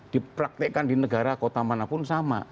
dipraktekan di negara kota mana pun sama